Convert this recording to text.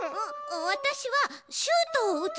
わたしはシュートをうつ